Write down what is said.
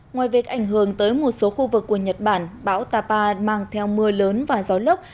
ngoài việc ảnh hưởng tới một số khu vực của nhật bản bão tapa mang theo mưa lớn và gió lốc